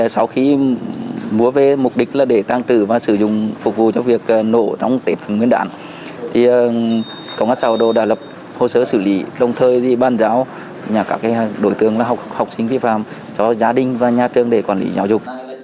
sau khi mua về mục đích là để tăng trữ và sử dụng phục vụ cho việc nổ trong tết nguyên đảng công an xã hòa đồ đã lập hồ sơ xử lý đồng thời bàn giáo các đối tượng học sinh vi phạm cho gia đình và nhà trường để quản lý giáo dục